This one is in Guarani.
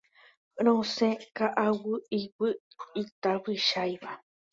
Rosẽ ka'aguy'ígui itavývaicha.